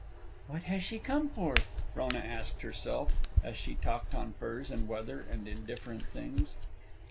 "What has she come for?" Frona asked herself, as she talked on furs and weather and indifferent things.